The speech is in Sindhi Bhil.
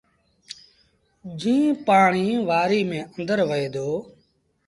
جيٚن پآڻيٚ وآريٚ ميݩ آݩدر وهي دو۔